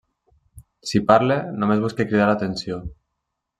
Si parla, només busca cridar l'atenció.